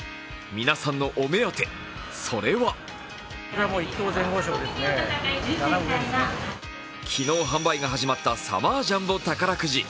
皆さんのお目当て、それは昨日販売が始まったサマージャンボ宝くじ。